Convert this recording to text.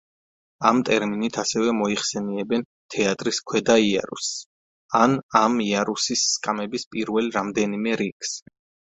ამ ტერმინით ასევე მოიხსენიებენ თეატრის ქვედა იარუსს, ან ამ იარუსის სკამების პირველ რამდენიმე რიგს.